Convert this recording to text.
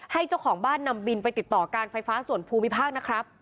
เจ้าของบ้านนำบินไปติดต่อการไฟฟ้าส่วนภูมิภาคนะครับ